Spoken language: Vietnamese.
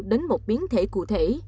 đến một biến thể cụ thể